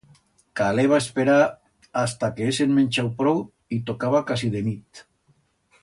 Caleba esperar hasta que hesen menchau prou y tocaba casi de nit.